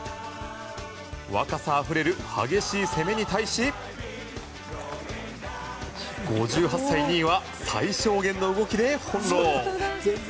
若さあふれる激しい攻めに対し５８歳ニーは最小限の動きで翻弄。